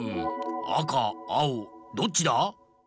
あかあおどっちだ？